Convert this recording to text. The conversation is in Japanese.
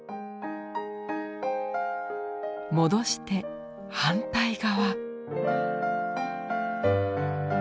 戻して反対側。